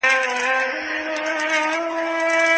په بازارونو کي باید غلا بنده وي.